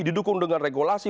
didukung dengan regulasi